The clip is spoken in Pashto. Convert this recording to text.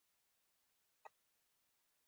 د اوبو څښل د بدن د پوستکي ښکلا زیاتوي.